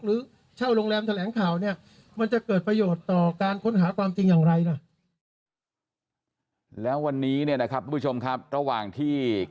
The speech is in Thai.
หรือเช่าโรงแรมแถลงข่าวเนี่ย